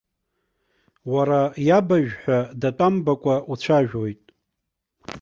Уара иабажә ҳәа датәамбакәа уцәажәоит.